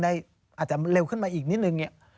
อาจจะเร็วขึ้นมาอีกนิดหนึ่ง